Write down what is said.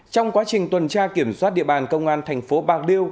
trong quá trình tuần tra kiểm soát địa bàn công an thành phố bạc liêu